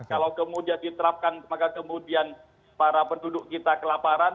kalau kemudian diterapkan maka kemudian para penduduk kita kelaparan